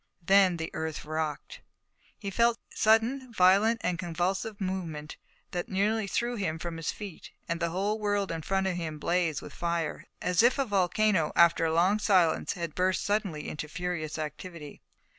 Then the earth rocked. He felt a sudden violent and convulsive movement that nearly threw him from his feet, and the whole world in front of him blazed with fire, as if a volcano, after a long silence, had burst suddenly into furious activity.